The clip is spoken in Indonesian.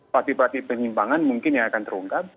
parti parti penyimpangan mungkin yang akan terungkap